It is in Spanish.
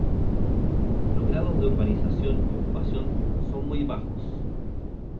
Los grados de urbanización y ocupación son muy bajos.